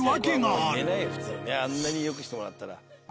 あんなによくしてもらったら。